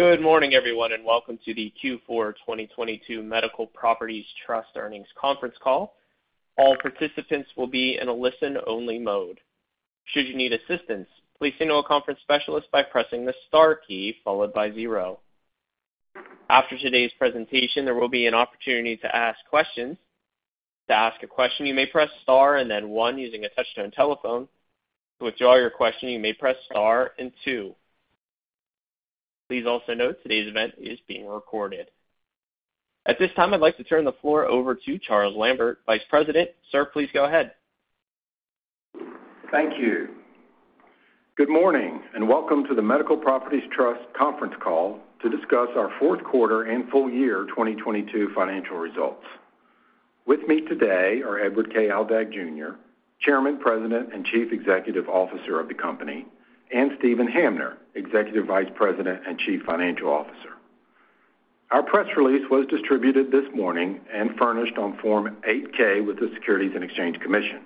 Good morning, everyone, and welcome to the Q4 2022 Medical Properties Trust earnings conference call. All participants will be in a listen-only mode. Should you need assistance, please signal a conference specialist by pressing the star key followed by zero. After today's presentation, there will be an opportunity to ask questions. To ask a question, you may press star and then one using a touch-tone telephone. To withdraw your question, you may press star and two. Please also note today's event is being recorded. At this time, I'd like to turn the floor over to Charles Lambert, Vice President. Sir, please go ahead. Thank you. Good morning, and welcome to the Medical Properties Trust conference call to discuss our fourth quarter and full year 2022 financial results. With me today are Edward K. Aldag, Jr., Chairman, President, and Chief Executive Officer of the company, and Steven Hamner, Executive Vice President and Chief Financial Officer. Our press release was distributed this morning and furnished on Form 8-K with the Securities and Exchange Commission.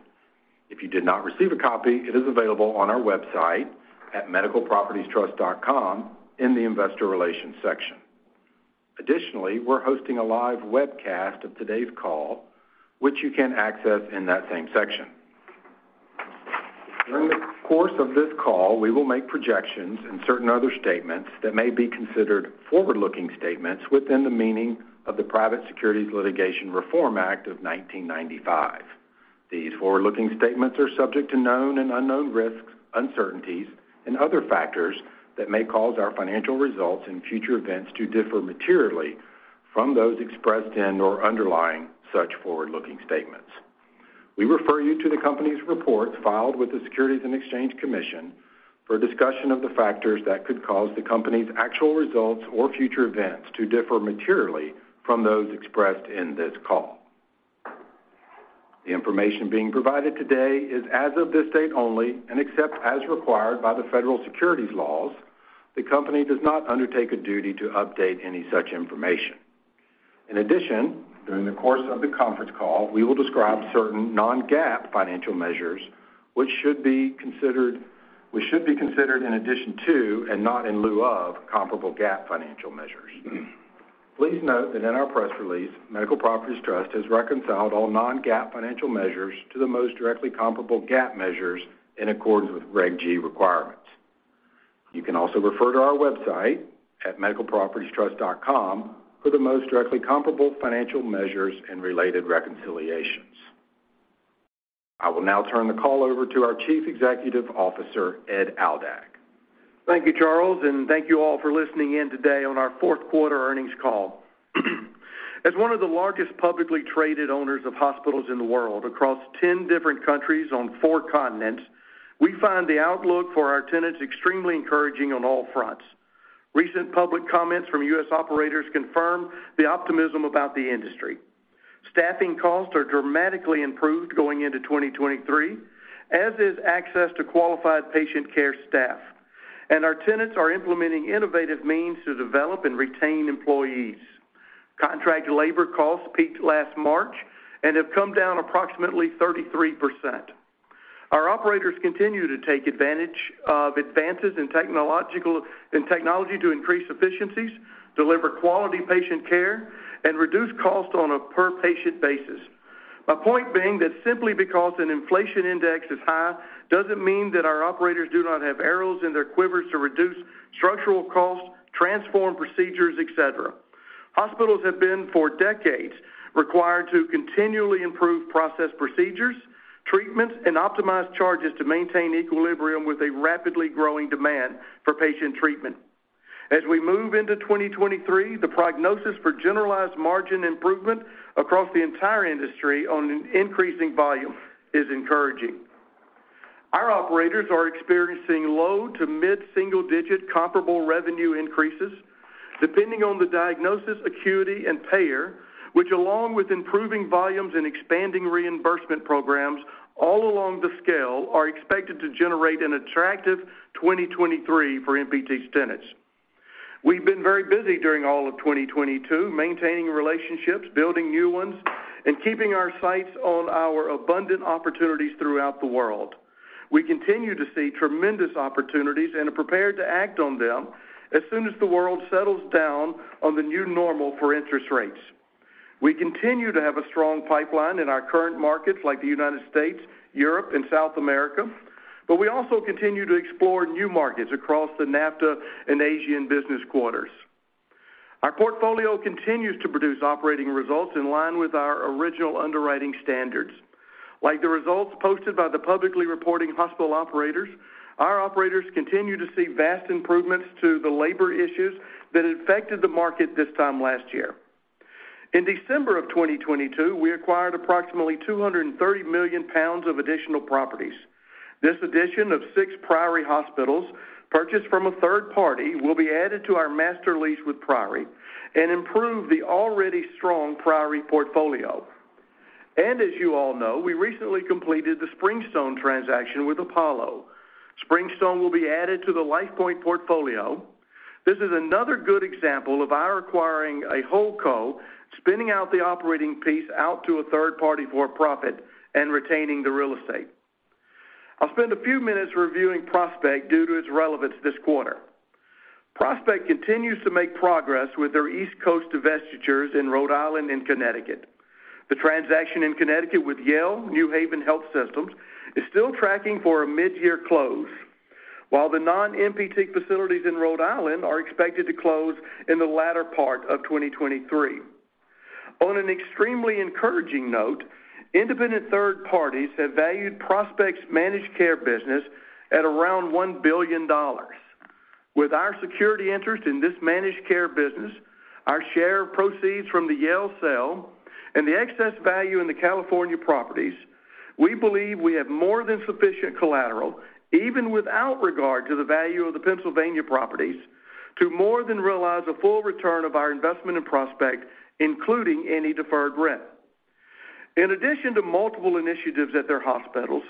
If you did not receive a copy, it is available on our website at medicalpropertiestrust.com in the Investor Relations section. We're hosting a live webcast of today's call, which you can access in that same section. During the course of this call, we will make projections and certain other statements that may be considered forward-looking statements within the meaning of the Private Securities Litigation Reform Act of 1995. These forward-looking statements are subject to known and unknown risks, uncertainties, and other factors that may cause our financial results and future events to differ materially from those expressed in or underlying such forward-looking statements. We refer you to the company's reports filed with the Securities and Exchange Commission for a discussion of the factors that could cause the company's actual results or future events to differ materially from those expressed in this call. The information being provided today is as of this date only, and except as required by the federal securities laws, the company does not undertake a duty to update any such information. In addition, during the course of the conference call, we will describe certain non-GAAP financial measures, which should be considered in addition to, and not in lieu of, comparable GAAP financial measures. Please note that in our press release, Medical Properties Trust has reconciled all non-GAAP financial measures to the most directly comparable GAAP measures in accordance with Reg G requirements. You can also refer to our website at medicalpropertiestrust.com for the most directly comparable financial measures and related reconciliations. I will now turn the call over to our Chief Executive Officer, Ed Aldag. Thank you, Charles, thank you all for listening in today on our fourth quarter earnings call. As one of the largest publicly traded owners of hospitals in the world across 10 different countries on four continents, we find the outlook for our tenants extremely encouraging on all fronts. Recent public comments from U.S. operators confirm the optimism about the industry. Staffing costs are dramatically improved going into 2023, as is access to qualified patient care staff. Our tenants are implementing innovative means to develop and retain employees. Contract labor costs peaked last March and have come down approximately 33%. Our operators continue to take advantage of advances in technology to increase efficiencies, deliver quality patient care, and reduce costs on a per-patient basis. My point being that simply because an inflation index is high doesn't mean that our operators do not have arrows in their quivers to reduce structural costs, transform procedures, et cetera. Hospitals have been, for decades, required to continually improve process procedures, treatments, and optimize charges to maintain equilibrium with a rapidly growing demand for patient treatment. As we move into 2023, the prognosis for generalized margin improvement across the entire industry on an increasing volume is encouraging. Our operators are experiencing low-to-mid single-digit comparable revenue increases, depending on the diagnosis, acuity, and payer, which, along with improving volumes and expanding reimbursement programs all along the scale, are expected to generate an attractive 2023 for MPT's tenants. We've been very busy during all of 2022, maintaining relationships, building new ones, and keeping our sights on our abundant opportunities throughout the world. We continue to see tremendous opportunities and are prepared to act on them as soon as the world settles down on the new normal for interest rates. We continue to have a strong pipeline in our current markets like the United States, Europe, and South America, but we also continue to explore new markets across the NAFTA and Asian business quarters. Our portfolio continues to produce operating results in line with our original underwriting standards. Like the results posted by the publicly reporting hospital operators, our operators continue to see vast improvements to the labor issues that affected the market this time last year. In December of 2022, we acquired approximately 230 million pounds of additional properties. This addition of six Priory hospitals, purchased from a third party, will be added to our master lease with Priory and improve the already strong Priory portfolio. As you all know, we recently completed the Springstone transaction with Apollo. Springstone will be added to the LifePoint portfolio. This is another good example of our acquiring a whole core, spinning out the operating piece out to a third party for a profit, and retaining the real estate. I'll spend a few minutes reviewing Prospect due to its relevance this quarter. Prospect continues to make progress with their East Coast divestitures in Rhode Island and Connecticut. The transaction in Connecticut with Yale New Haven Health System is still tracking for a mid-year close, while the non-MPT facilities in Rhode Island are expected to close in the latter part of 2023. On an extremely encouraging note, independent third parties have valued Prospect's managed care business at around $1 billion. With our security interest in this managed care business, our share of proceeds from the Yale sale, and the excess value in the California properties, we believe we have more than sufficient collateral, even without regard to the value of the Pennsylvania properties, to more than realize a full return of our investment in Prospect, including any deferred rent. In addition to multiple initiatives at their hospitals,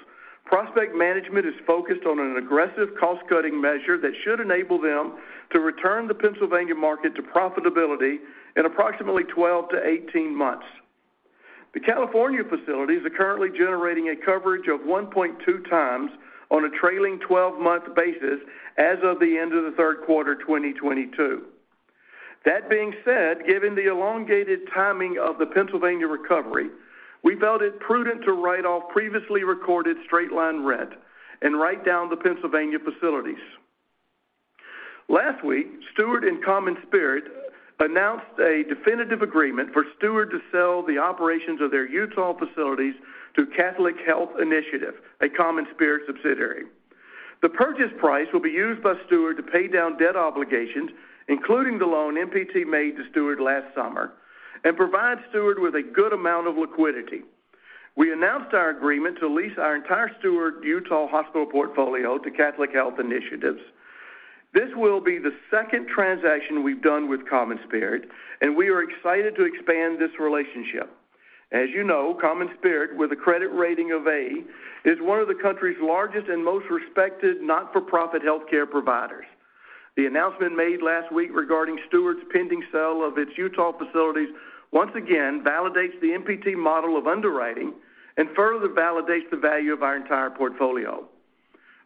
Prospect management is focused on an aggressive cost-cutting measure that should enable them to return the Pennsylvania market to profitability in approximately 12 to 18 months. The California facilities are currently generating a coverage of 1.2x on a trailing 12-month basis as of the end of the third quarter 2022. That being said, given the elongated timing of the Pennsylvania recovery, we felt it prudent to write off previously recorded straight-line rent and write down the Pennsylvania facilities. Last week, Steward Health Care and CommonSpirit Health announced a definitive agreement for Steward Health Care to sell the operations of their Utah facilities to Catholic Health Initiatives, a CommonSpirit Health subsidiary. The purchase price will be used by Steward Health Care to pay down debt obligations, including the loan MPT made to Steward Health Care last summer, and provide Steward Health Care with a good amount of liquidity. We announced our agreement to lease our entire Steward Health Care Utah hospital portfolio to Catholic Health Initiatives. This will be the second transaction we've done with CommonSpirit Health, and we are excited to expand this relationship. As you know, CommonSpirit Health, with a credit rating of A, is one of the country's largest and most respected not-for-profit healthcare providers. The announcement made last week regarding Steward Health Care's pending sale of its Utah facilities once again validates the MPT model of underwriting and further validates the value of our entire portfolio.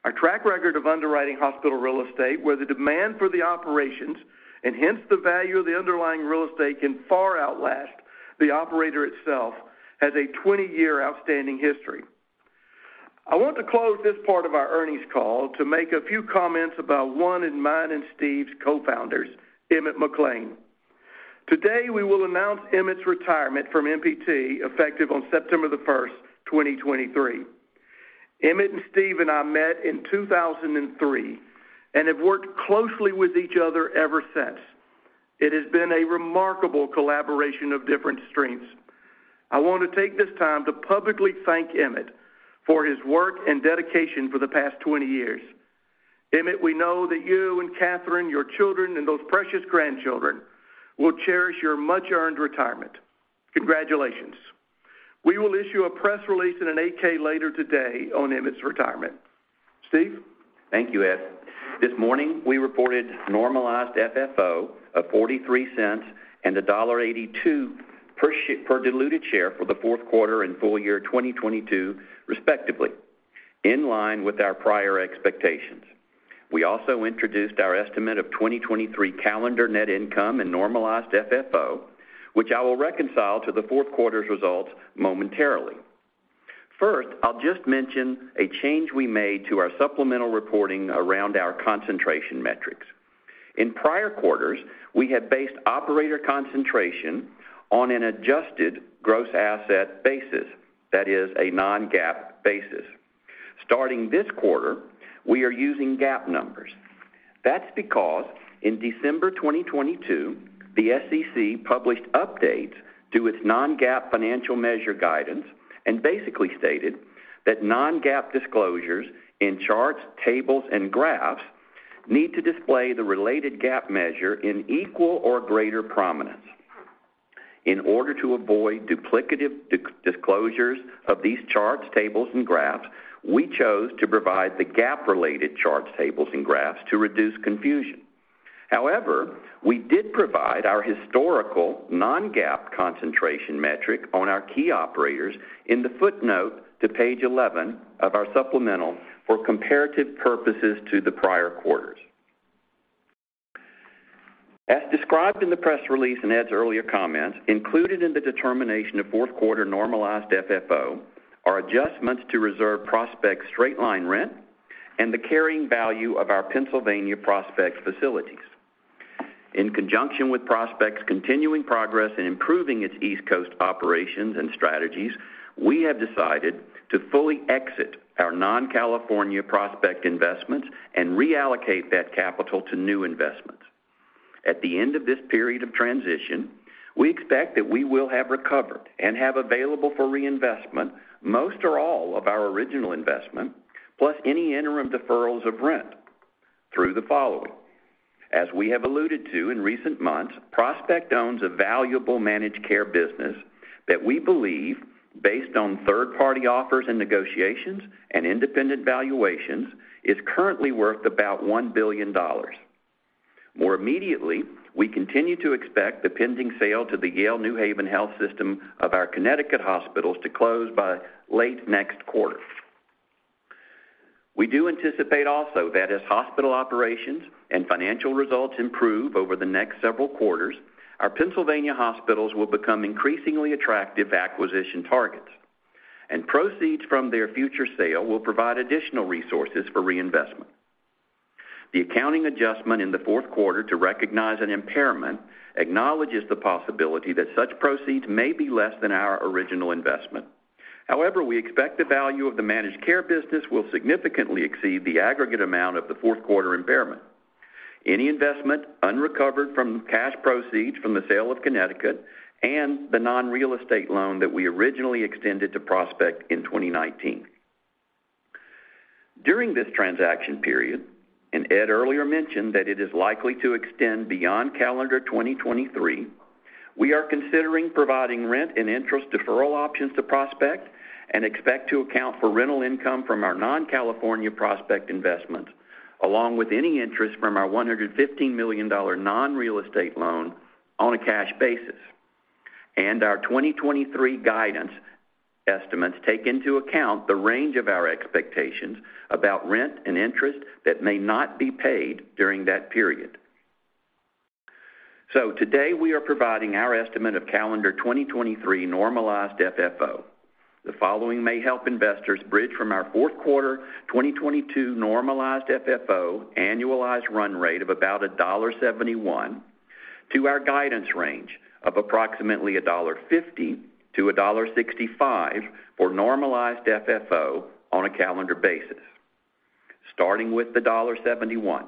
Our track record of underwriting hospital real estate, where the demand for the operations, and hence the value of the underlying real estate can far outlast the operator itself, has a 20-year outstanding history. I want to close this part of our earnings call to make a few comments about one of mine and Steven's co-founders, Emmett McLean. Today, we will announce Emmett's retirement from MPT, effective on September 1st, 2023. Emmett and Steven and I met in 2003 and have worked closely with each other ever since. It has been a remarkable collaboration of different strengths. I want to take this time to publicly thank Emmett for his work and dedication for the past 20 years. Emmett, we know that you and Catherine, your children, and those precious grandchildren will cherish your much-earned retirement. Congratulations. We will issue a press release and an 8-K later today on Emmett's retirement. Steven? Thank you, Edward. This morning, we reported normalized FFO of $0.43 and $1.82 per diluted share for the fourth quarter and full year 2022, respectively, in line with our prior expectations. We also introduced our estimate of 2023 calendar net income and normalized FFO, which I will reconcile to the fourth quarter's results momentarily. First, I'll just mention a change we made to our supplemental reporting around our concentration metrics. In prior quarters, we had based operator concentration on an adjusted gross asset basis, that is, a non-GAAP basis. Starting this quarter, we are using GAAP numbers. That's because in December 2022, the SEC published updates to its non-GAAP financial measure guidance and basically stated that non-GAAP disclosures in charts, tables, and graphs need to display the related GAAP measure in equal or greater prominence. In order to avoid duplicative disclosures of these charts, tables, and graphs, we chose to provide the GAAP-related charts, tables, and graphs to reduce confusion. However, we did provide our historical non-GAAP concentration metric on our key operators in the footnote to page 11 of our supplemental for comparative purposes to the prior quarters. As described in the press release in Edward's earlier comments, included in the determination of fourth quarter normalized FFO are adjustments to reserve Prospect's straight-line rent and the carrying value of our Pennsylvania Prospect facilities. In conjunction with Prospect's continuing progress in improving its East Coast operations and strategies, we have decided to fully exit our non-California Prospect investments and reallocate that capital to new investments. At the end of this period of transition, we expect that we will have recovered and have available for reinvestment most or all of our original investment, plus any interim deferrals of rent through the following. As we have alluded to in recent months, Prospect owns a valuable managed care business that we believe, based on third-party offers and negotiations and independent valuations, is currently worth about $1 billion. More immediately, we continue to expect the pending sale to the Yale New Haven Health System of our Connecticut hospitals to close by late next quarter. We do anticipate also that as hospital operations and financial results improve over the next several quarters, our Pennsylvania hospitals will become increasingly attractive acquisition targets, and proceeds from their future sale will provide additional resources for reinvestment. The accounting adjustment in the fourth quarter to recognize an impairment acknowledges the possibility that such proceeds may be less than our original investment. However, we expect the value of the managed care business will significantly exceed the aggregate amount of the fourth quarter impairment. Any investment unrecovered from cash proceeds from the sale of Connecticut and the non-real estate loan that we originally extended to Prospect in 2019. During this transaction period, and Edward Aldag earlier mentioned that it is likely to extend beyond calendar 2023, we are considering providing rent and interest deferral options to Prospect and expect to account for rental income from our non-California Prospect investments, along with any interest from our $115 million non-real estate loan on a cash basis. Our 2023 guidance estimates take into account the range of our expectations about rent and interest that may not be paid during that period. Today, we are providing our estimate of calendar 2023 normalized FFO. The following may help investors bridge from our fourth quarter 2022 normalized FFO annualized run rate of about $1.71 to our guidance range of approximately $1.50-$1.65 for normalized FFO on a calendar basis. Starting with the $1.71,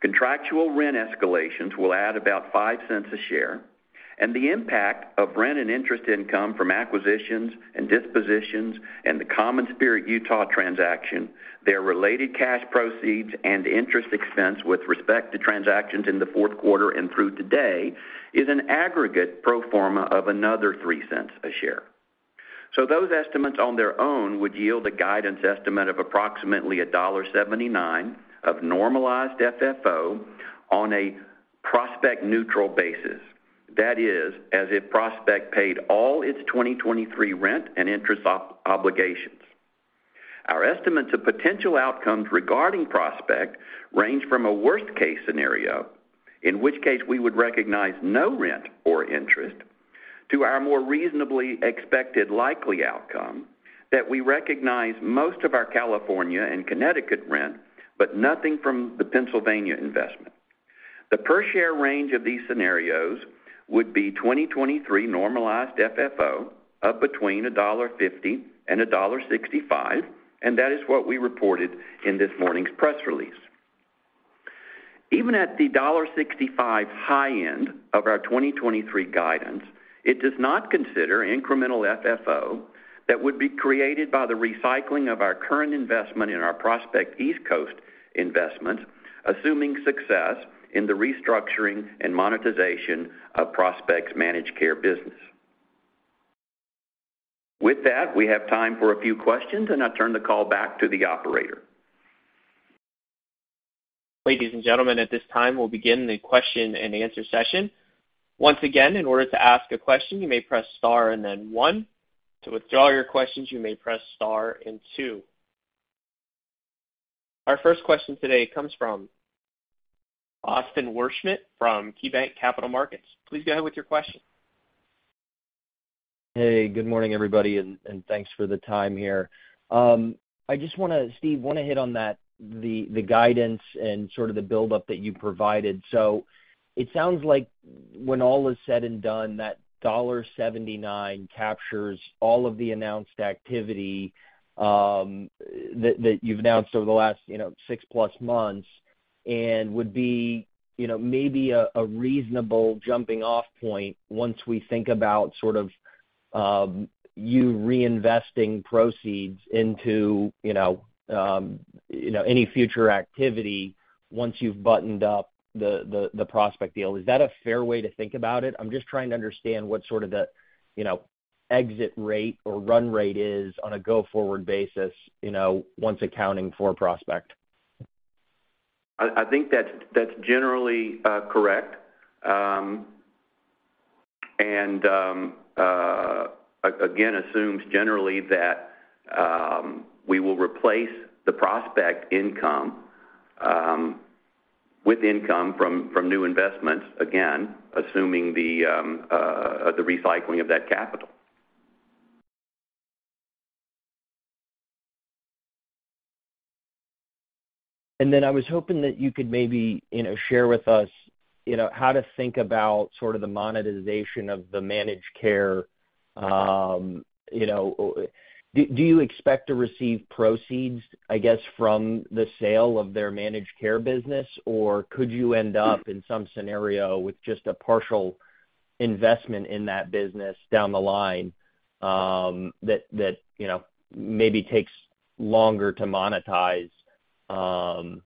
contractual rent escalations will add about $0.05 a share, and the impact of rent and interest income from acquisitions and dispositions and the CommonSpirit Utah transaction, their related cash proceeds and interest expense with respect to transactions in the fourth quarter and through today is an aggregate pro forma of another $0.03 a share. Those estimates on their own would yield a guidance estimate of approximately $1.79 of normalized FFO on a Prospect neutral basis. That is, as if Prospect paid all its 2023 rent and interest obligations. Our estimates of potential outcomes regarding Prospect range from a worst case scenario, in which case we would recognize no rent or interest, to our more reasonably expected likely outcome that we recognize most of our California and Connecticut rent, but nothing from the Pennsylvania investment. The per share range of these scenarios would be 2023 normalized FFO of between $1.50 and $1.65, and that is what we reported in this morning's press release. Even at the $1.65 high end of our 2023 guidance, it does not consider incremental FFO that would be created by the recycling of our current investment in our Prospect East Coast investment, assuming success in the restructuring and monetization of Prospect's managed care business. With that, we have time for a few questions. I'll turn the call back to the operator. Ladies and gentlemen, at this time, we'll begin the question and answer session. Once again, in order to ask a question, you may press star and then one. To withdraw your questions, you may press star and two. Our first question today comes from Austin Wurschmidt from KeyBanc Capital Markets. Please go ahead with your question. Hey, good morning, everybody, and thanks for the time here. Steven, wanna hit on that the guidance and sort of the buildup that you provided. It sounds like when all is said and done, that $1.79 captures all of the announced activity, that you've announced over the last, you know, 6+ months and would be, you know, maybe a reasonable jumping-off point once we think about sort of, you reinvesting proceeds into, you know, any future activity once you've buttoned up the Prospect deal. Is that a fair way to think about it? I'm just trying to understand what sort of the, you know, exit rate or run rate is on a go-forward basis, you know, once accounting for Prospect. I think that's generally correct. And again, assumes generally that we will replace the Prospect income with income from new investments, again, assuming the recycling of that capital. I was hoping that you could maybe, you know, share with us, you know, how to think about sort of the monetization of the managed care. You know, do you expect to receive proceeds, I guess, from the sale of their managed care business, or could you end up in some scenario with just a partial investment in that business down the line, that, you know, maybe takes longer to monetize, and,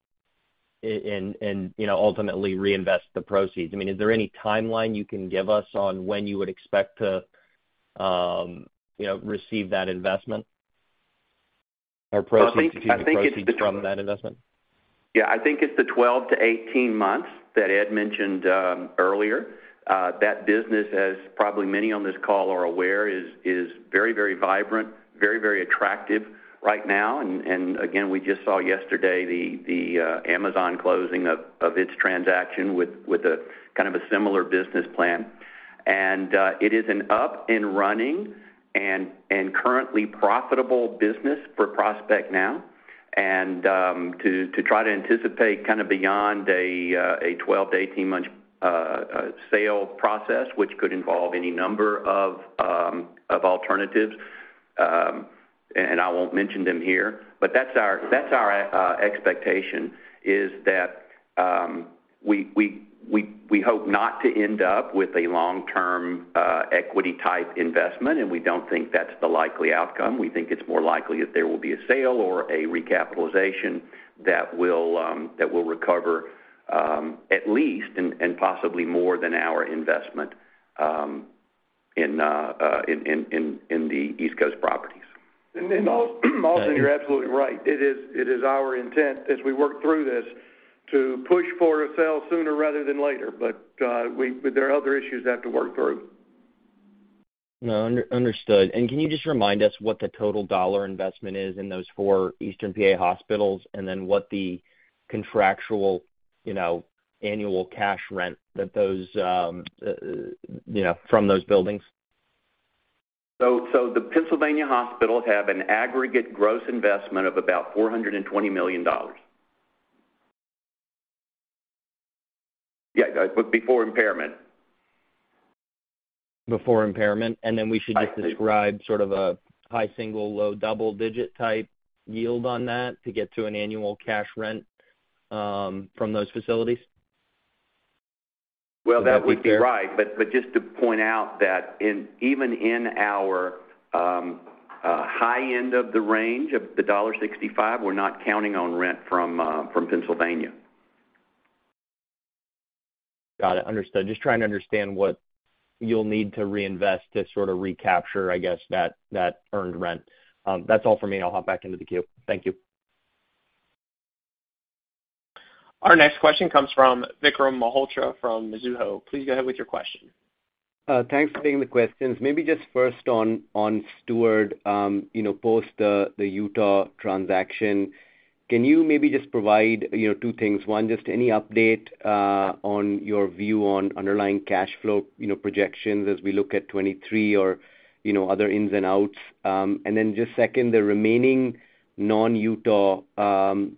you know, ultimately reinvest the proceeds? I mean, is there any timeline you can give us on when you would expect to, you know, receive that investment? The proceeds from that investment. I think it's the 12-18 months that Edward mentioned earlier. That business, as probably many on this call are aware, is very, very vibrant, very, very attractive right now. We just saw yesterday the Amazon closing of its transaction with a kind of a similar business plan. It is an up and running and currently profitable business for Prospect now. To try to anticipate kind of beyond a 12-18 month sale process, which could involve any number of alternatives, and I won't mention them here. That's our expectation, is that we hope not to end up with a long-term equity-type investment, and we don't think that's the likely outcome. We think it's more likely that there will be a sale or a recapitalization that will recover at least and possibly more than our investment in the East Coast properties. Steven, you're absolutely right. It is our intent as we work through this to push for a sale sooner rather than later. But there are other issues we have to work through. No, under-understood. Can you just remind us what the total dollar investment is in those four Eastern PA hospitals, and then what the contractual, you know, annual cash rent that those, you know, from those buildings? The Pennsylvania hospitals have an aggregate gross investment of about $420 million. Yeah, but before impairment. Before impairment. We should just describe sort of a high single, low double-digit type yield on that to get to an annual cash rent from those facilities? That would be right. But just to point out that even in our high end of the range of the $1.65, we're not counting on rent from Pennsylvania. Got it. Understood. Just trying to understand what you'll need to reinvest to sort of recapture, I guess, that earned rent. That's all for me. I'll hop back into the queue. Thank you. Our next question comes from Vikram Malhotra from Mizuho. Please go ahead with your question. Thanks for taking the questions. Maybe just first on Steward, you know, post the Utah transaction. Can you maybe just provide, you know, two things? One, just any update on your view on underlying cash flow, you know, projections as we look at 2023 or, you know, other ins and outs. Just second, the remaining non-Utah,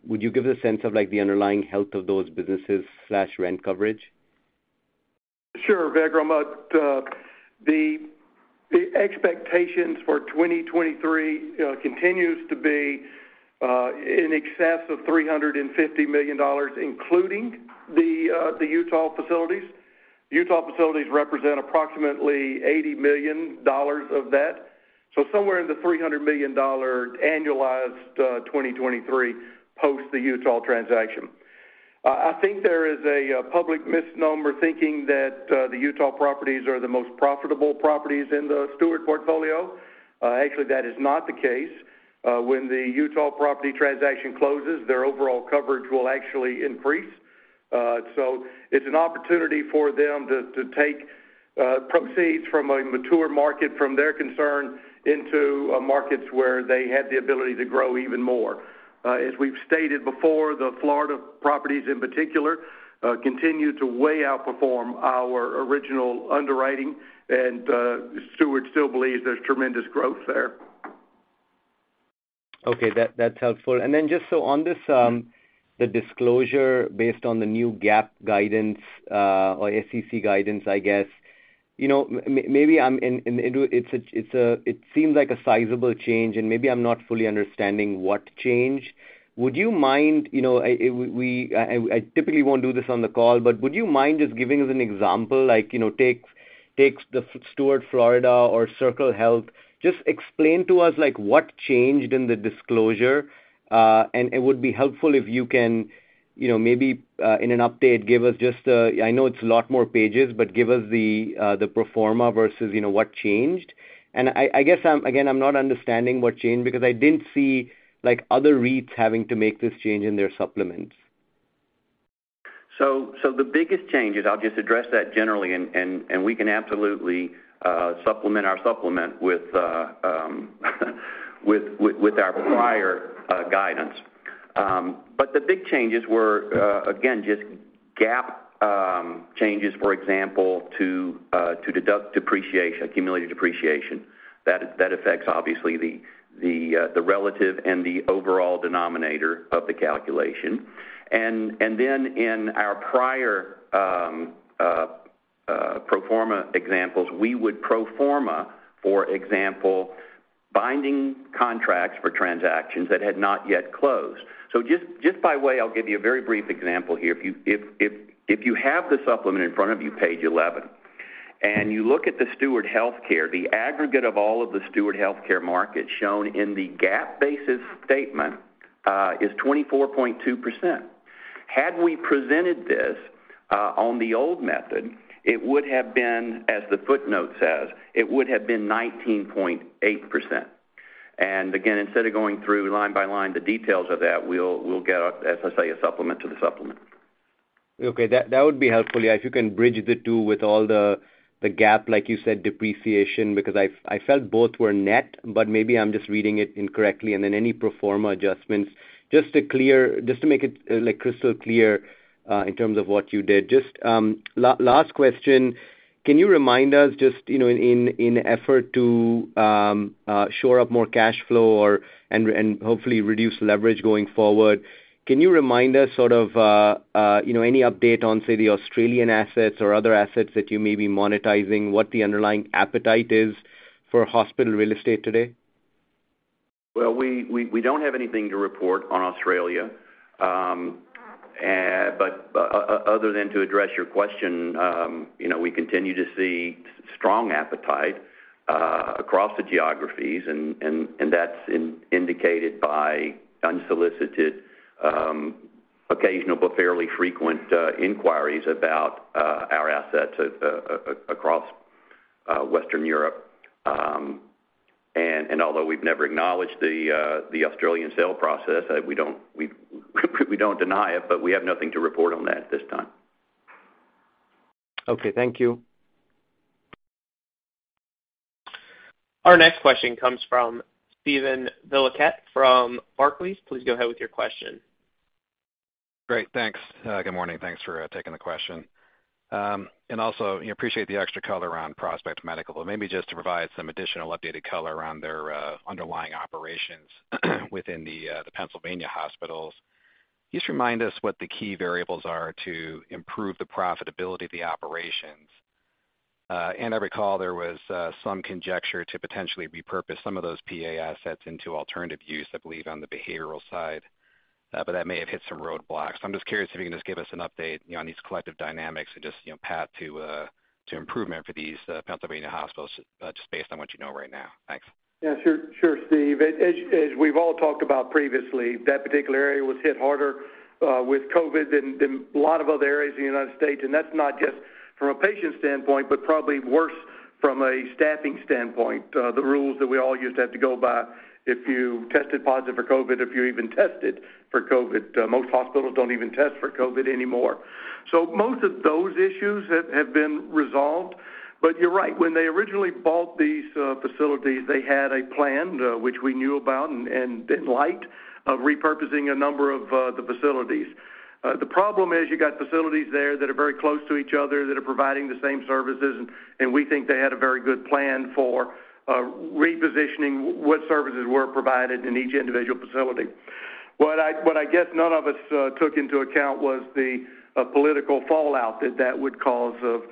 would you give a sense of, like, the underlying health of those businesses slash rent coverage? Sure, Vikram. The expectations for 2023 continues to be in excess of $350 million, including the Utah facilities. Utah facilities represent approximately $80 million of that, somewhere in the $300 million annualized 2023 post the Utah transaction. I think there is a public misnomer thinking that the Utah properties are the most profitable properties in the Steward portfolio. Actually, that is not the case. When the Utah property transaction closes, their overall coverage will actually increase. It's an opportunity for them to take proceeds from a mature market from their concern into markets where they have the ability to grow even more. As we've stated before, the Florida properties in particular, continue to way outperform our original underwriting. Steward still believes there's tremendous growth there. That's helpful. Just on this, the disclosure based on the new GAAP guidance or SEC guidance, I guess, you know, maybe I'm not fully understanding what changed. Would you mind, you know, I typically won't do this on the call, but would you mind just giving us an example? Like, you know, take the Steward Florida or Circle Health. Just explain to us, like, what changed in the disclosure. It would be helpful if you can, you know, maybe in an update, I know it's a lot more pages, but give us the pro forma versus, you know, what changed. I guess again, I'm not understanding what changed because I didn't see, like, other REITs having to make this change in their supplements. The biggest change is I'll just address that generally, and we can absolutely supplement our supplement with our prior guidance. The big changes were again, just GAAP changes, for example, to deduct depreciation, accumulated depreciation. That affects obviously the relative and the overall denominator of the calculation. Then in our prior pro forma examples, we would pro forma, for example, binding contracts for transactions that had not yet closed. Just by way, I'll give you a very brief example here. If you have the supplement in front of you, page 11, and you look at the Steward Health Care, the aggregate of all of the Steward Health Care markets shown in the GAAP-based statement is 24.2%. Had we presented this on the old method, it would have been, as the footnote says, it would have been 19.8%. Again, instead of going through line by line the details of that, we'll get, as I say, a supplement to the supplement. Okay. That would be helpful, yeah. If you can bridge the two with all the GAAP, like you said, depreciation, because I felt both were net, but maybe I'm just reading it incorrectly, and then any pro forma adjustments. Just to make it, like, crystal clear, in terms of what you did. Just, last question, can you remind us just, you know, in effort to shore up more cash flow and hopefully reduce leverage going forward, can you remind us sort of, you know, any update on, say, the Australian assets or other assets that you may be monetizing, what the underlying appetite is for hospital real estate today? Well, we don't have anything to report on Australia. Other than to address your question, you know, we continue to see strong appetite across the geographies and that's indicated by unsolicited, occasional, but fairly frequent, inquiries about our assets across Western Europe. Although we've never acknowledged the Australian sale process, we don't deny it, but we have nothing to report on that at this time. Okay, thank you. Our next question comes from Steven Valiquette from Barclays. Please go ahead with your question. Great, thanks. Good morning, thanks for taking the question. Also, you know, appreciate the extra color around Prospect Medical. Maybe just to provide some additional updated color around their underlying operations within the Pennsylvania hospitals. Can you just remind us what the key variables are to improve the profitability of the operations? I recall there was some conjecture to potentially repurpose some of those PA assets into alternative use, I believe, on the behavioral side, but that may have hit some roadblocks. I'm just curious if you can just give us an update, you know, on these collective dynamics and just, you know, path to improvement for these Pennsylvania hospitals just based on what you know right now. Thanks. Sure, Steven. As we've all talked about previously, that particular area was hit harder with COVID than a lot of other areas in the United States, and that's not just from a patient standpoint, but probably worse from a staffing standpoint. The rules that we all used to have to go by if you tested positive for COVID, if you even tested for COVID. Most hospitals don't even test for COVID anymore. Most of those issues have been resolved. You're right. When they originally bought these facilities, they had a plan, which we knew about and in light of repurposing a number of the facilities. The problem is you got facilities there that are very close to each other that are providing the same services, and we think they had a very good plan for repositioning what services were provided in each individual facility. What I guess none of us took into account was the political fallout that that would cause of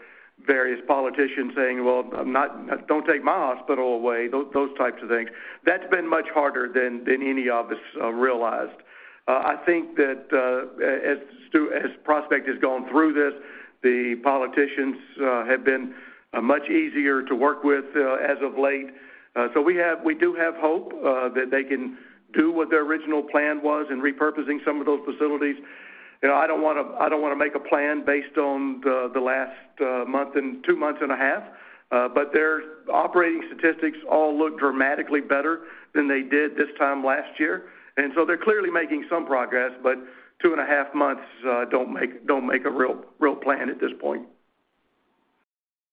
various politicians saying, "Well, I'm not-- Don't take my hospital away," those types of things. That's been much harder than any of us realized. I think that as Prospect has gone through this, the politicians have been much easier to work with as of late. So we do have hope that they can do what their original plan was in repurposing some of those facilities. You know, I don't wanna make a plan based on the last month and 2.5 months. Their operating statistics all look dramatically better than they did this time last year. They're clearly making some progress, but 2.5 months don't make a real plan at this point.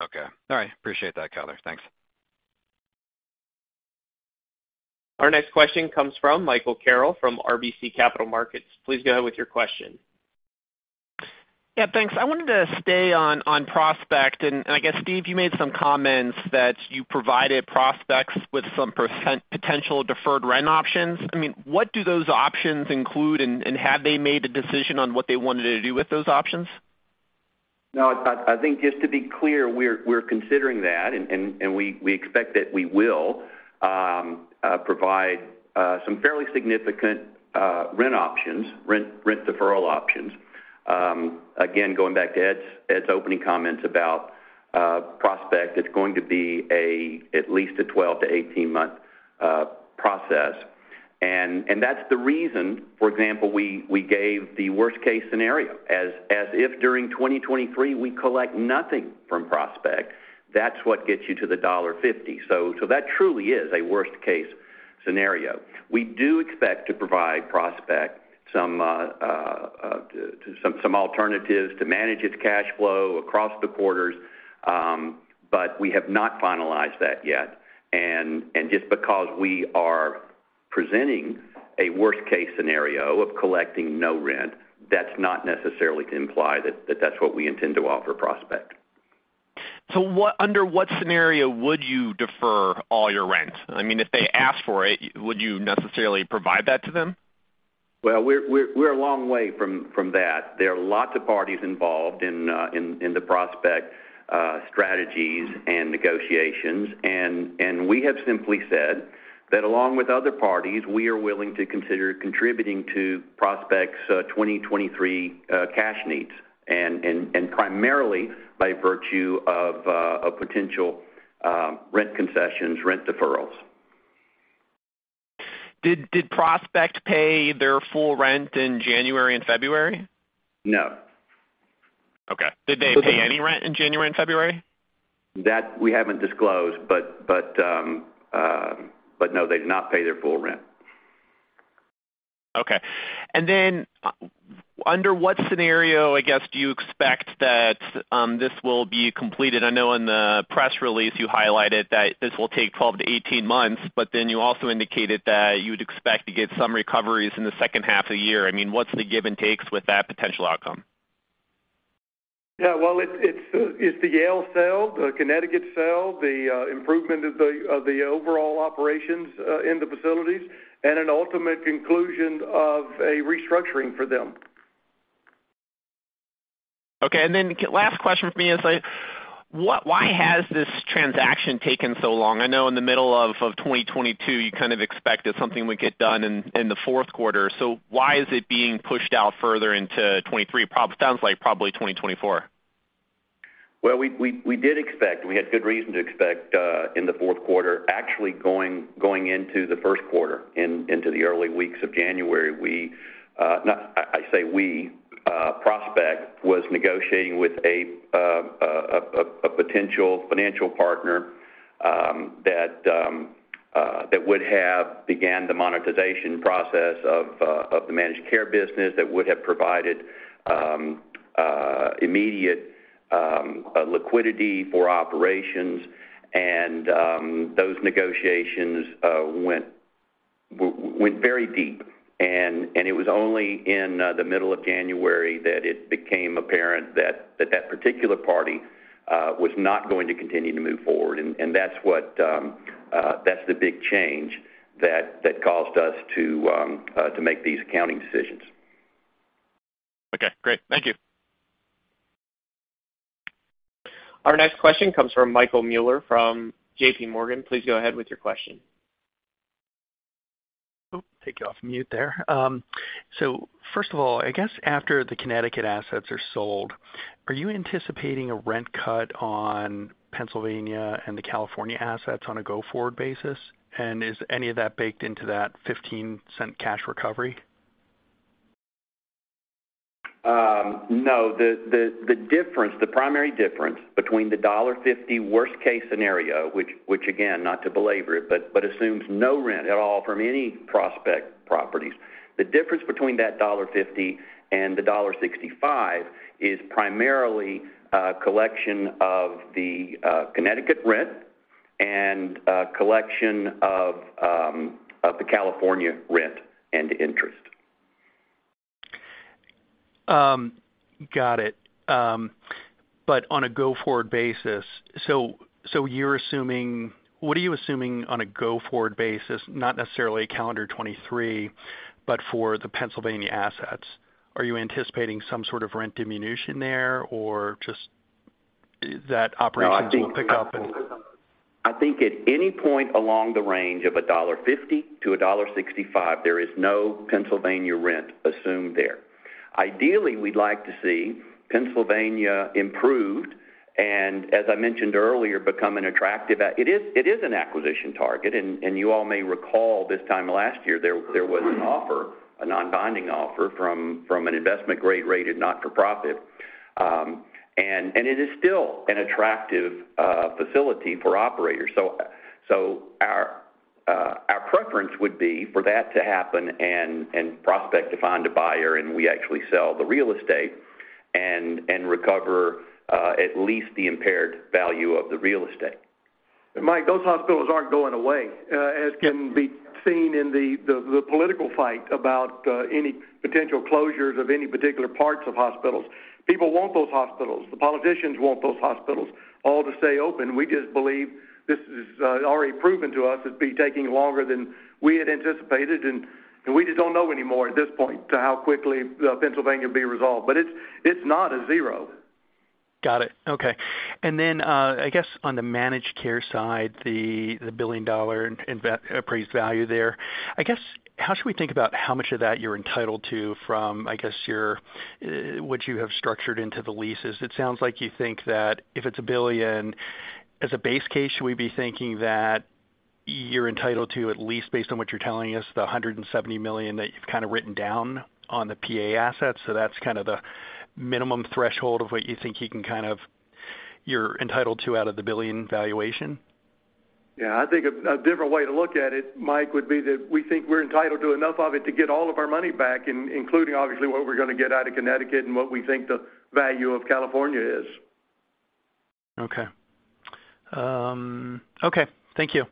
Okay. All right. Appreciate that color. Thanks. Our next question comes from Michael Carroll from RBC Capital Markets. Please go ahead with your question. Yeah, thanks. I wanted to stay on Prospect, and I guess, Steven, you made some comments that you provided Prospect with some potential deferred rent options. I mean, what do those options include, and have they made a decision on what they wanted to do with those options? No, I think just to be clear, we're considering that and we expect that we will provide some fairly significant rent options, rent deferral options. Again, going back to Edward's opening comments about Prospect, it's going to be at least a 12-18 month process. That's the reason, for example, we gave the worst case scenario as if during 2023 we collect nothing from Prospect, that's what gets you to the $1.50. That truly is a worst case scenario. We do expect to provide Prospect some alternatives to manage its cash flow across the quarters, but we have not finalized that yet. Just because we are presenting a worst case scenario of collecting no rent, that's not necessarily to imply that that's what we intend to offer Prospect. Under what scenario would you defer all your rent? I mean, if they ask for it, would you necessarily provide that to them? Well, we're a long way from that. There are lots of parties involved in the Prospect strategies and negotiations. We have simply said that along with other parties, we are willing to consider contributing to Prospect's, 2023, cash needs, and primarily by virtue of, rent concessions, rent deferrals. Did Prospect pay their full rent in January and February? No. Did they pay any rent in January and February? That we haven't disclosed, but no, they did not pay their full rent. Okay. Then, under what scenario, I guess, do you expect that this will be completed? I know in the press release you highlighted that this will take 12-18 months, but then you also indicated that you would expect to get some recoveries in the second half of the year. I mean, what's the give and takes with that potential outcome? Yeah, well, it's the Yale sale, the Connecticut sale, the improvement of the overall operations in the facilities, and an ultimate conclusion of a restructuring for them. Okay. Then last question from me is, like, why has this transaction taken so long? I know in the middle of 2022, you kind of expected something would get done in the fourth quarter. Why is it being pushed out further into 2023? Sounds like probably 2024. Well, we did expect, we had good reason to expect in the fourth quarter. Actually going into the first quarter, into the early weeks of January, I say we, Prospect was negotiating with a potential financial partner, that would have began the monetization process of the managed care business, that would have provided immediate liquidity for operations. Those negotiations went very deep. It was only in the middle of January that it became apparent that particular party was not going to continue to move forward. That's what, that's the big change that caused us to make these accounting decisions. Okay, great. Thank you. Our next question comes from Michael Mueller from JPMorgan. Please go ahead with your question. Take you off mute there. First of all, after the Connecticut assets are sold, are you anticipating a rent cut on Pennsylvania and the California assets on a go-forward basis? Is any of that baked into that $0.15 cash recovery? No, the difference, the primary difference between the $1.50 worst case scenario, which again, not to belabor it, but assumes no rent at all from any Prospect properties. The difference between that $1.50 and the $1.65 is primarily, collection of the Connecticut rent and, collection of the California rent and interest. Got it. On a go-forward basis, what are you assuming on a go-forward basis, not necessarily calendar 2023, but for the Pennsylvania assets? Are you anticipating some sort of rent diminution there, or just that operations will pick up? I think at any point along the range of $1.50-$1.65, there is no Pennsylvania rent assumed there. Ideally, we'd like to see Pennsylvania improved, and as I mentioned earlier, become an attractive it is an acquisition target. you all may recall this time last year there was an offer, a non-binding offer from an investment grade rated not-for-profit. it is still an attractive facility for operators. our preference would be for that to happen and Prospect to find a buyer, and we actually sell the real estate and recover at least the impaired value of the real estate. Michael, those hospitals aren't going away, as can be seen in the political fight about any potential closures of any particular parts of hospitals. People want those hospitals, the politicians want those hospitals all to stay open. We just believe this is already proven to us to be taking longer than we had anticipated, and we just don't know anymore at this point to how quickly Pennsylvania will be resolved. It's not a zero. Got it. Okay. I guess on the managed care side, the billion-dollar appraised value there. How should we think about how much of that you're entitled to from, I guess, your, what you have structured into the leases? It sounds like you think that if it's $1 billion as a base case, should we be thinking that you're entitled to, at least based on what you're telling us, the $170 million that you've kind of written down on the PA assets? That's kind of the minimum threshold of what you think you can. You're entitled to out of the $1 billion valuation? Yeah, I think a different way to look at it, Michael, would be that we think we're entitled to enough of it to get all of our money back, including obviously what we're gonna get out of Connecticut and what we think the value of California is. Okay. Okay. Thank you.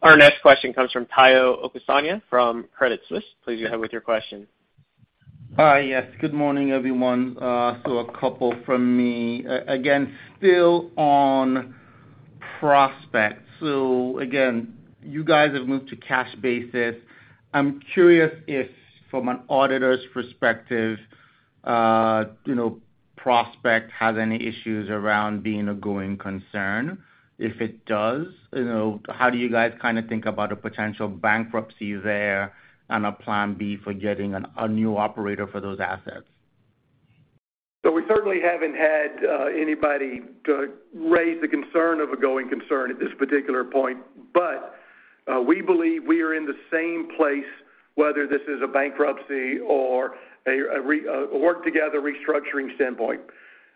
Our next question comes from Omotayo Okusanya from Credit Suisse. Please go ahead with your question. Hi, yes. Good morning, everyone. A couple from me. Again, still on Prospect. Again, you guys have moved to cash basis. I'm curious if from an auditor's perspective, you know, Prospect has any issues around being a going concern. If it does, you know, how do you guys kinda think about a potential bankruptcy there and a plan B for getting a new operator for those assets? We certainly haven't had anybody raise the concern of a going concern at this particular point, but we believe we are in the same place whether this is a bankruptcy or a work together restructuring standpoint.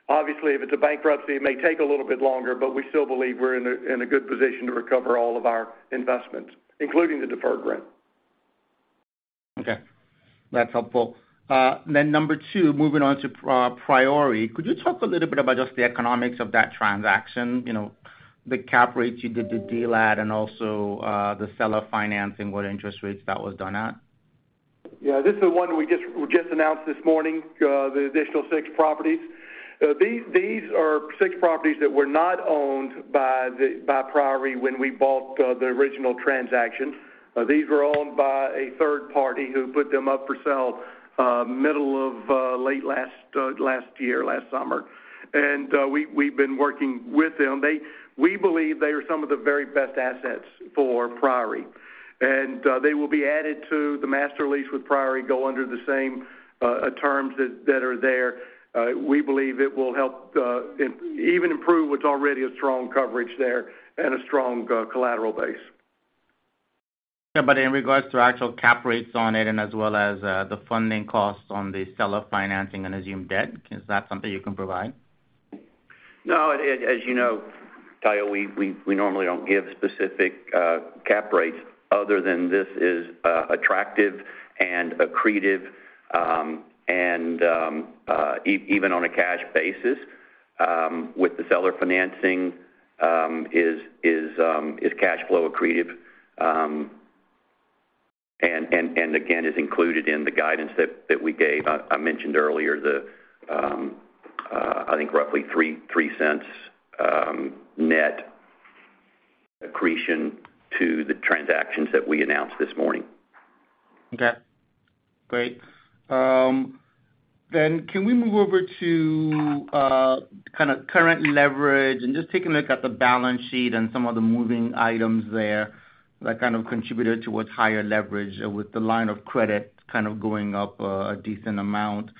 If it's a bankruptcy, it may take a little bit longer, but we still believe we're in a good position to recover all of our investments, including the deferred rent. Okay, that's helpful. Number two, moving on to Priory. Could you talk a little bit about just the economics of that transaction? You know, the cap rates you did the deal at, and also, the seller financing, what interest rates that was done at? This is one we just announced this morning, the additional six properties. These are six properties that were not owned by Priory when we bought the original transaction. These were owned by a third party who put them up for sale middle of late last year, last summer. We've been working with them. We believe they are some of the very best assets for Priory. They will be added to the master lease with Priory, go under the same terms that are there. We believe it will help even improve what's already a strong coverage there and a strong collateral base. In regards to actual cap rates on it and as well as, the funding costs on the seller financing and assumed debt, is that something you can provide? No. As you know, Omotayo, we normally don't give specific cap rates other than this is attractive and accretive, and even on a cash basis with the seller financing is cash flow accretive. Again, is included in the guidance that we gave. I mentioned earlier the, I think roughly $0.03 net accretion to the transactions that we announced this morning. Okay. Great. Can we move over to kind of current leverage and just take a look at the balance sheet and some of the moving items there that kind of contributed towards higher leverage with the line of credit kind of going up a decent amount.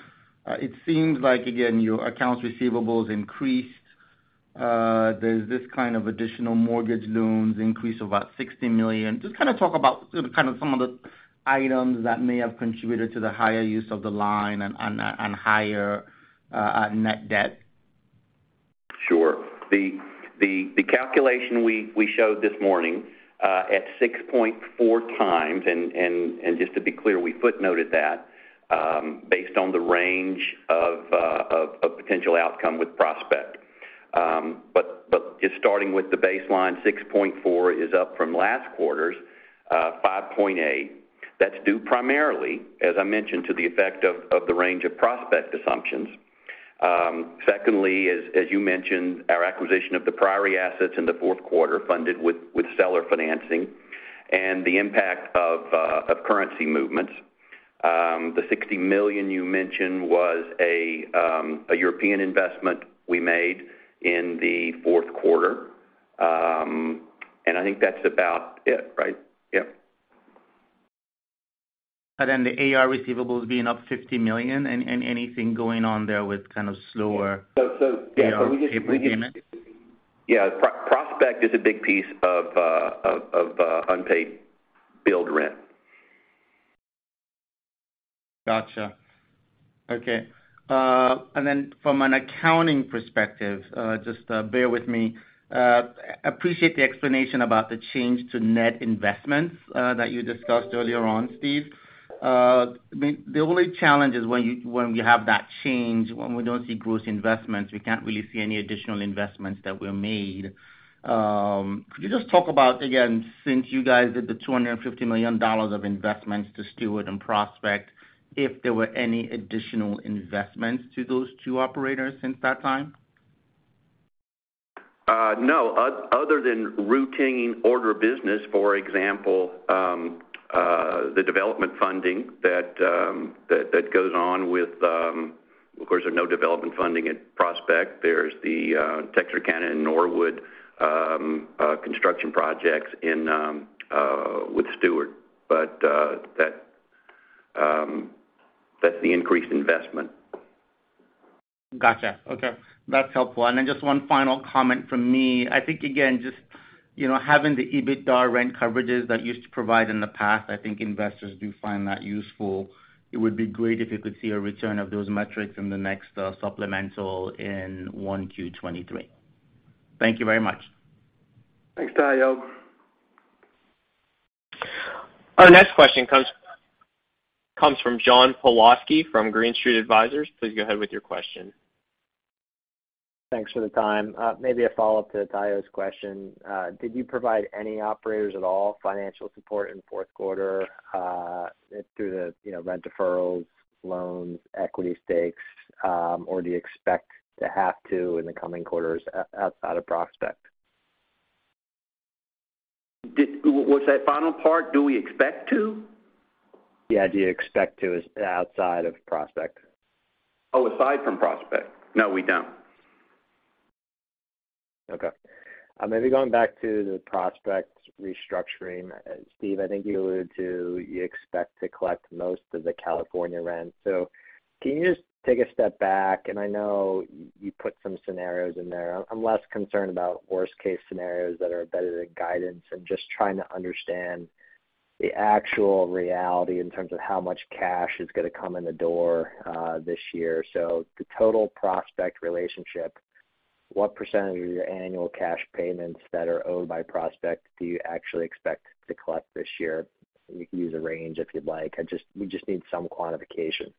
It seems like, again, your accounts receivables increased. There's this kind of additional mortgage loans increase of about $60 million. Just kind of talk about sort of, kind of some of the items that may have contributed to the higher use of the line and, and higher net debt? Sure. The calculation we showed this morning at 6.4x, and just to be clear, we footnoted that, based on the range of potential outcome with Prospect. Just starting with the baseline, 6.4 is up from last quarter's 5.8. That's due primarily, as I mentioned, to the effect of the range of Prospect assumptions. Secondly, as you mentioned, our acquisition of the Priory assets in the fourth quarter funded with seller financing and the impact of currency movements. The $60 million you mentioned was a European investment we made in the fourth quarter. I think that's about it, right? Yep. The AR receivables being up $50 million. Anything going on there with kind of slower-? So, so- AR payable payments? Prospect is a big piece of unpaid billed rent. Gotcha. Okay. Then from an accounting perspective, just bear with me. Appreciate the explanation about the change to net investments that you discussed earlier on, Steven. I mean, the only challenge is when we have that change, when we don't see gross investments, we can't really see any additional investments that were made. Could you just talk about, again, since you guys did the $250 million of investments to Steward and Prospect, if there were any additional investments to those two operators since that time? No. Other than routine order business, for example, the development funding that goes on with. Of course, there's no development funding at Prospect. There's the Texarkana and Norwood construction projects with Steward. That's the increased investment. Gotcha. Okay. That's helpful. Just 1 final comment from me. I think, again, just, you know, having the EBITDA rent coverages that you used to provide in the past, I think investors do find that useful. It would be great if you could see a return of those metrics in the next supplemental in 1Q 2023. Thank you very much. Thanks, Tayo. Our next question comes from John Pawlowski from Green Street Advisors. Please go ahead with your question. Thanks for the time. Maybe a follow-up to Omotayo's question. Did you provide any operators at all financial support in fourth quarter, through the, you know, rent deferrals, loans, equity stakes, or do you expect to have to in the coming quarters outside of Prospect? Was that final part, do we expect to? Yeah. Do you expect to outside of Prospect? Oh, aside from Prospect? No, we don't. Okay. Maybe going back to the Prospects restructuring. Steven, I think you alluded to you expect to collect most of the California rent. Can you just take a step back, and I know you put some scenarios in there. I'm less concerned about worst case scenarios that are embedded in guidance. I'm just trying to understand the actual reality in terms of how much cash is gonna come in the door this year. The total Prospects relationship, what percentage of your annual cash payments that are owed by Prospects do you actually expect to collect this year? You can use a range if you'd like. We just need some quantification.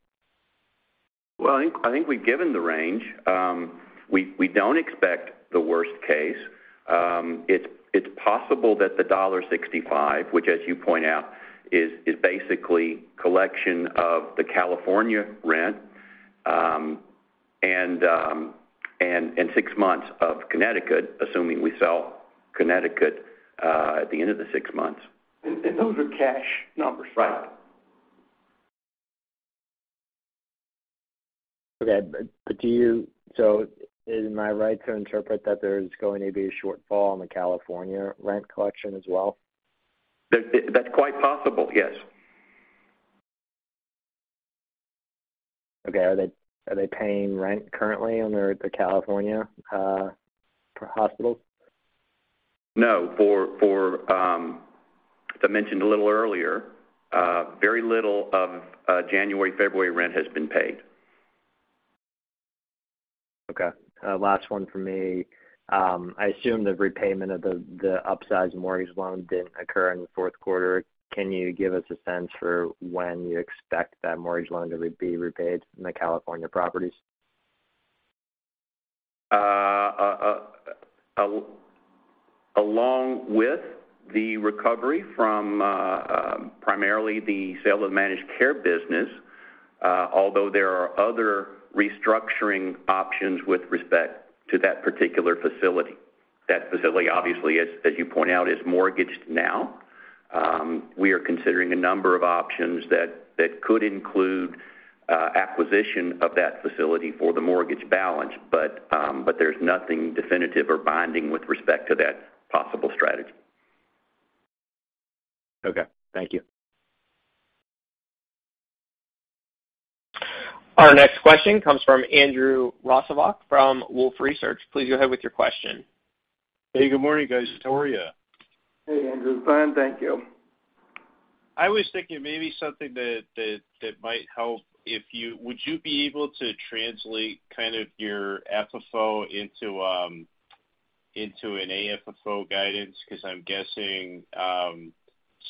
I think we've given the range. We don't expect the worst case. It's possible that the $1.65, which as you point out, is basically collection of the California rent, and six months of Connecticut, assuming we sell Connecticut, at the end of the six months. Those are cash numbers. Right. Okay. Am I right to interpret that there's going to be a shortfall in the California rent collection as well? That's quite possible, yes. Okay. Are they paying rent currently on their, the California hospitals? No. For, as I mentioned a little earlier, very little of January, February rent has been paid. Okay. Last one for me. I assume the repayment of the upsized mortgage loan didn't occur in the fourth quarter. Can you give us a sense for when you expect that mortgage loan to be repaid in the California properties? Along with the recovery from primarily the sale of managed care business, although there are other restructuring options with respect to that particular facility. That facility obviously, as you point out, is mortgaged now. We are considering a number of options that could include acquisition of that facility for the mortgage balance, but there's nothing definitive or binding with respect to that possible strategy. Okay. Thank you. Our next question comes from Andrew Rosivach from Wolfe Research. Please go ahead with your question. Hey, good morning, guys. How are you? Hey, Andrew. Fine, thank you. I was thinking maybe something that might help. Would you be able to translate kind of your FFO into an AFFO guidance? I'm guessing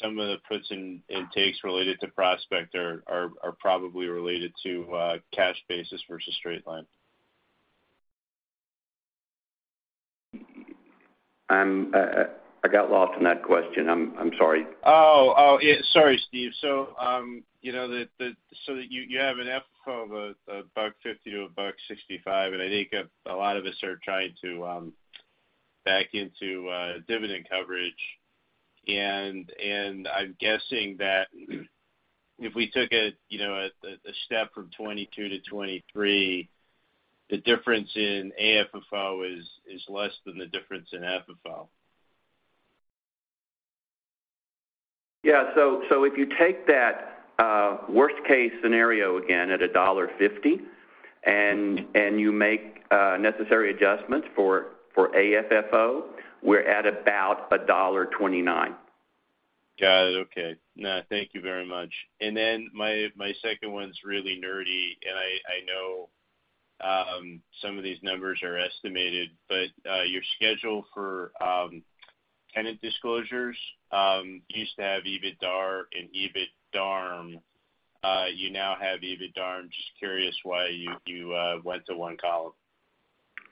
some of the puts and intakes related to Prospect are probably related to cash basis versus straight line. I got lost in that question. I'm sorry. Yeah. Sorry, Steven. You know, you have an FFO of $1.50-$1.65, and I think a lot of us are trying to back into dividend coverage. I'm guessing that if we took a, you know, step from 2022-2023, the difference in AFFO is less than the difference in FFO. Yeah. If you take that worst case scenario again at $1.50 and you make necessary adjustments for a FFO, we're at about $1.29. Got it. Okay. No, thank you very much. My second one's really nerdy, and I know some of these numbers are estimated, but your schedule for tenant disclosures used to have EBITDAR and EBITDARM. You now have EBITDARM. Just curious why you went to one column?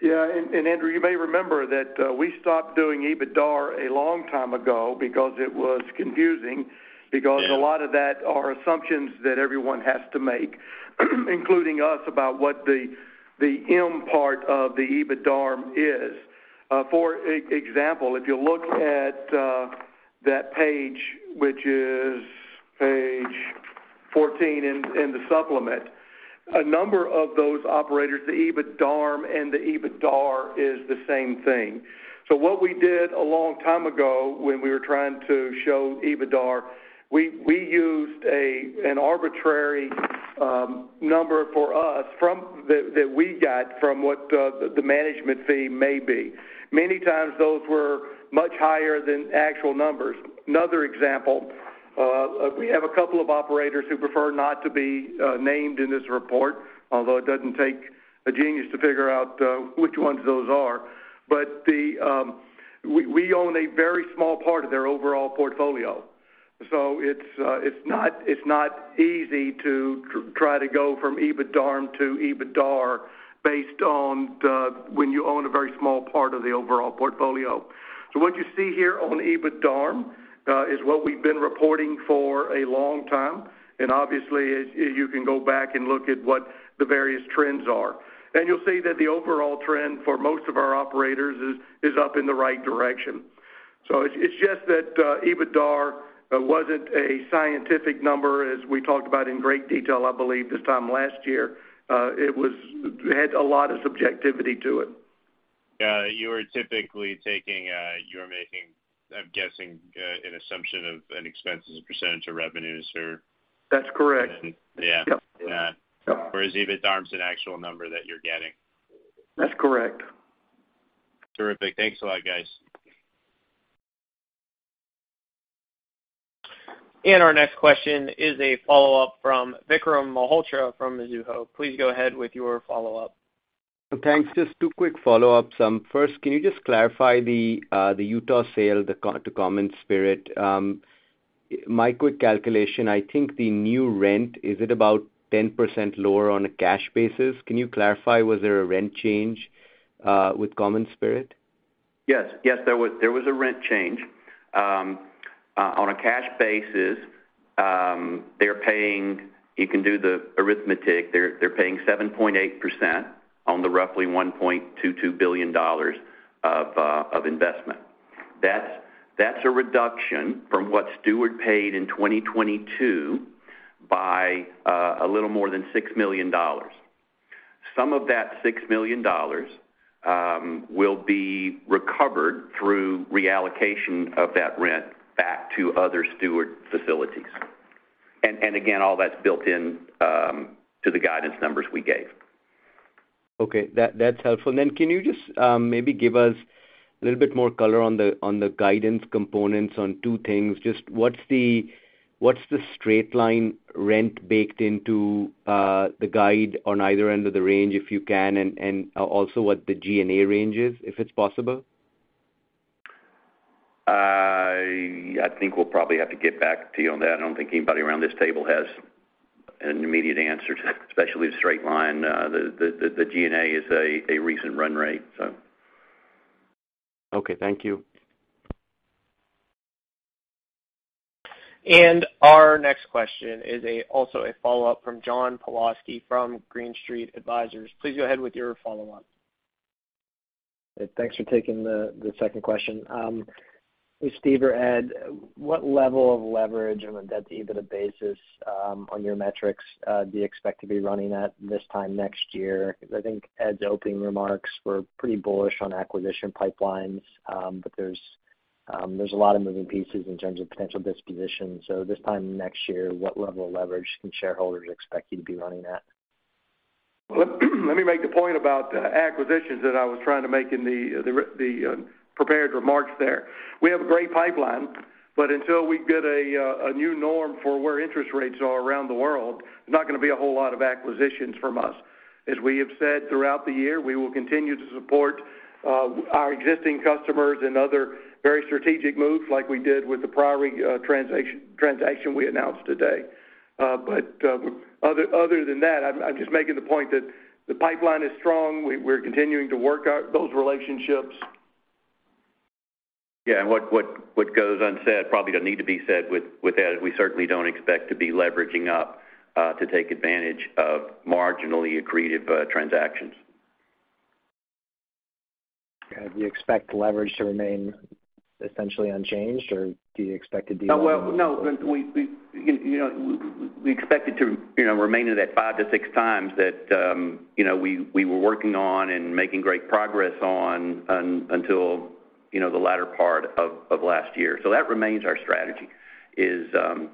Yeah. Andrew Rosivach, you may remember that we stopped doing EBITDAR a long time ago because it was confusing. Yeah. A lot of that are assumptions that everyone has to make, including us, about what the M part of the EBITDARM is. For example, if you look at that page, which is page 14 in the supplement, a number of those operators, the EBITDARM and the EBITDAR is the same thing. What we did a long time ago when we were trying to show EBITDAR, we used an arbitrary number for us that we got from what the management fee may be. Many times those were much higher than actual numbers. Another example, we have a couple of operators who prefer not to be named in this report, although it doesn't take a genius to figure out which ones those are. The, we own a very small part of their overall portfolio, so it's not, it's not easy to try to go from EBITDARM to EBITDAR based on when you own a very small part of the overall portfolio. What you see here on EBITDARM is what we've been reporting for a long time, and obviously, you can go back and look at what the various trends are. And you'll see that the overall trend for most of our operators is up in the right direction. It's just that EBITDAR wasn't a scientific number, as we talked about in great detail, I believe, this time last year. It had a lot of subjectivity to it. Yeah, you were typically taking, you're making, I'm guessing, an assumption of an expense as a percentage of revenues or. That's correct. Yeah. Yep. Yeah. Yep. Whereas EBITDAR is an actual number that you're getting. That's correct. Terrific. Thanks a lot, guys. Our next question is a follow-up from Vikram Malhotra from Mizuho. Please go ahead with your follow-up. Thanks. Just two quick follow-ups. First, can you just clarify the Utah sale to CommonSpirit. My quick calculation, I think the new rent, is it about 10% lower on a cash basis? Can you clarify, was there a rent change with CommonSpirit? Yes. There was a rent change. On a cash basis, they're paying... You can do the arithmetic. They're paying 7.8% on the roughly $1.22 billion of investment. That's a reduction from what Steward paid in 2022 by a little more than $6 million. Some of that $6 million will be recovered through reallocation of that rent back to other Steward facilities. Again, all that's built in to the guidance numbers we gave. Okay. That's helpful. Then can you just maybe give us a little bit more color on the guidance components on two things. Just what's the straight-line rent baked into the guide on either end of the range, if you can, and also what the G&A range is, if it's possible? I think we'll probably have to get back to you on that. I don't think anybody around this table has an immediate answer to that, especially the straight line. The G&A is a recent run rate, so. Okay, thank you. Our next question is also a follow-up from John Pawlowski from Green Street Advisors. Please go ahead with your follow-up. Thanks for taking the second question. Steven or Edward, what level of leverage on a debt-to-EBITDA basis, on your metrics, do you expect to be running at this time next year? I think Edward's opening remarks were pretty bullish on acquisition pipelines, there's a lot of moving pieces in terms of potential dispositions. This time next year, what level of leverage can shareholders expect you to be running at? Let me make a point about acquisitions that I was trying to make in the prepared remarks there. We have a great pipeline, but until we get a new norm for where interest rates are around the world, there's not gonna be a whole lot of acquisitions from us. As we have said throughout the year, we will continue to support our existing customers and other very strategic moves like we did with the Priory transaction we announced today. Other than that, I'm just making the point that the pipeline is strong. We're continuing to work out those relationships. Yeah. What goes unsaid probably doesn't need to be said with Edward. We certainly don't expect to be leveraging up to take advantage of marginally accretive transactions. Do you expect leverage to remain essentially unchanged or do you expect to be- Well, no, we, you know, we expect it to, you know, remain at that 5x-6x that, you know, we were working on and making great progress on until, you know, the latter part of last year. That remains our strategy, is to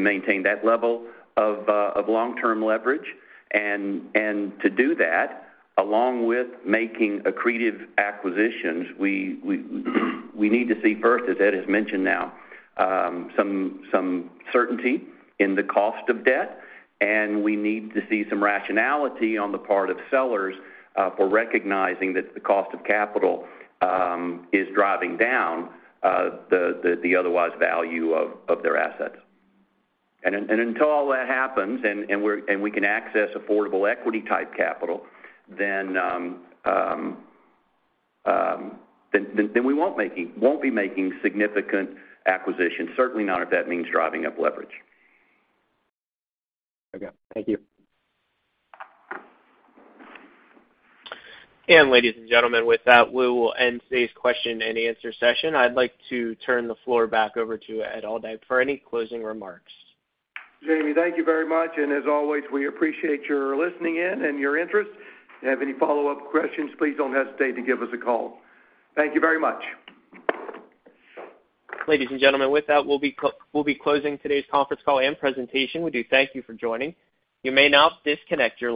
maintain that level of long-term leverage. To do that, along with making accretive acquisitions, we need to see first, as Edward has mentioned now, some certainty in the cost of debt, and we need to see some rationality on the part of sellers for recognizing that the cost of capital is driving down the otherwise value of their assets. Until all that happens and we can access affordable equity type capital, then we won't be making significant acquisitions, certainly not if that means driving up leverage. Okay. Thank you. Ladies and gentlemen, with that, we will end today's question and answer session. I'd like to turn the floor back over to Edward Aldag for any closing remarks. Jamie, thank you very much. As always, we appreciate your listening in and your interest. If you have any follow-up questions, please don't hesitate to give us a call. Thank you very much. Ladies and gentlemen, with that, we'll be closing today's conference call and presentation. We do thank you for joining. You may now disconnect your lines.